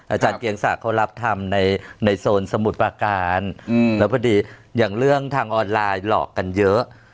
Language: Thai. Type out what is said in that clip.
อาจารย์เกียงศักดิ์เขารับทำในโซนสมุทรประการแล้วพอดีอย่างเรื่องทางออนไลน์หลอกกันเยอะ